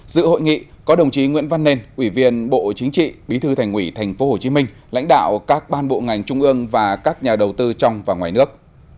dự hội nghị có đồng chí nguyễn văn nên ủy viên bộ chính trị bí thư thành ủy tp hcm lãnh đạo các ban bộ ngành trung ương và các nhà đầu tư trong và ngoài nước